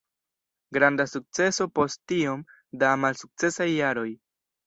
Granda sukceso post tiom da malsukcesaj jaroj.